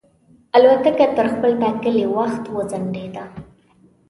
الوتکه تر خپل ټاکلي وخت وځنډېده.